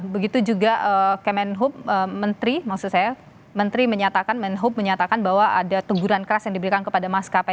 begitu juga kemenhub menteri maksud saya menteri menyatakan menhub menyatakan bahwa ada teguran keras yang diberikan kepada maskapai